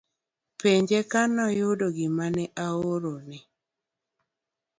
Penje ka noyudo gima ne ahorone